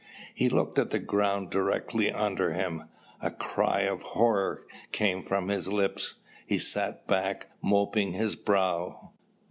He looked at the ground directly under him. A cry of horror came from his lips. He sat back mopping his brow.